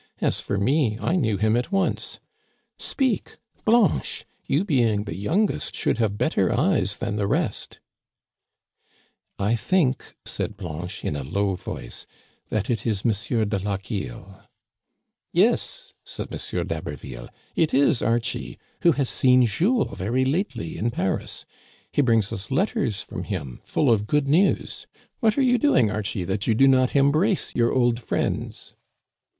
As for me I knew him at once. Speak, Blanche, you being the youngest should have better eyes than the rest" '* 1 think," said Blanche in a low voice, " that it is M, de LochieL" '* Yes," said M. d'Haberville, « it is Archie, who has seen Jules very lately in Paris. He brings us letters from him, full of good news. What are you doing, Archie, that you do not embrace your old friends?"